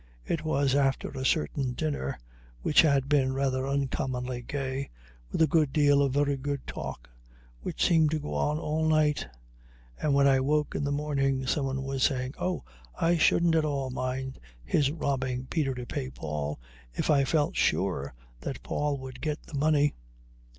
It was after a certain dinner, which had been rather uncommonly gay, with a good deal of very good talk, which seemed to go on all night, and when I woke in the morning someone was saying: "Oh, I shouldn't at all mind his robbing Peter to pay Paul, if I felt sure that Paul would get the money."